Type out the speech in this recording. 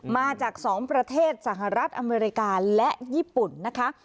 มาจาก๒ประเทศสหรัฐอเมริกาและญี่ปุ่นนะคะ